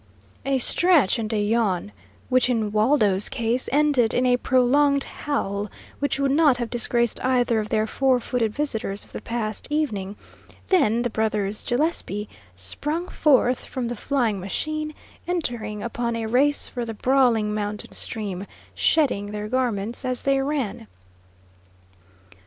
A stretch and a yawn, which in Waldo's case ended in a prolonged howl, which would not have disgraced either of their four footed visitors of the past evening, then the brothers Gillespie sprung forth from the flying machine, entering upon a race for the brawling mountain stream, "shedding" their garments as they ran.